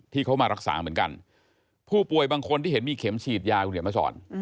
ที่เขามารักษาเหมือนกันผู้ป่วยบางคนที่เห็นมีเข็มฉีดยาคุณเห็นมาสอน